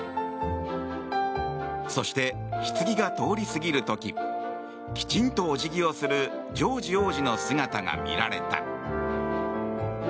そして、ひつぎが通り過ぎる時きちんとお辞儀をするジョージ王子の姿が見られた。